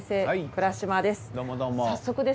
倉嶋です。